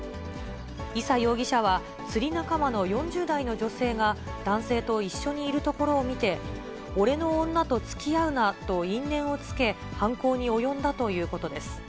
伊佐容疑者は、釣り仲間の４０代の女性が男性と一緒にいるところを見て、俺の女とつきあうなと因縁をつけ、犯行に及んだということです。